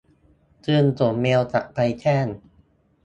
จึงส่งอีเมล์กลับไป แจ้ง